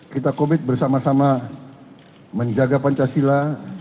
kita komit bersama sama menjaga pancasila